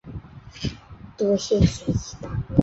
长喙毛茛泽泻为泽泻科毛茛泽泻属的植物。